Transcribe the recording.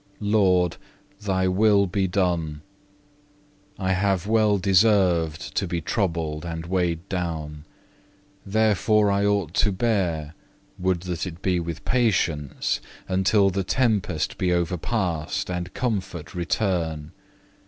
Lord, Thy will be done. I have well deserved to be troubled and weighed down. Therefore I ought to bear, would that it be with patience, until the tempest be overpast and comfort return.